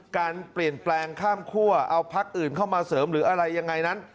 การเปลี่ยนแปลงข้ามคั่วเอาพักอื่นเข้ามาเสริมหรืออะไรยังไงนั้น